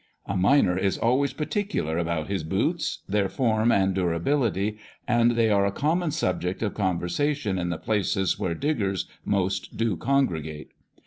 A miner is always particular about his " butes," their form and durability, and they are a common subject of conversation in the places where diggers most do congregate.